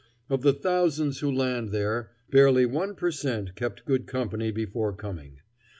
Of the thousands who land there, barely one per cent kept good company before coming.